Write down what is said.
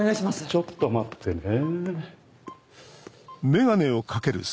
ちょっと待ってね。